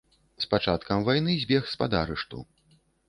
З пачаткам вайны збег з-пад арышту.